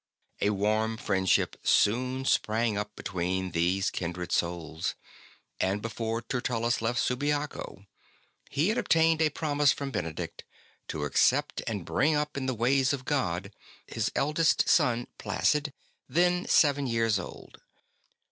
A warm friendship soon sprang up betw^een these kindred souls, and before Tertullus left Subiaco he had obtained a promise from Benedict to accept and bring up in the ways of God his eldest son Placid, then seven years old.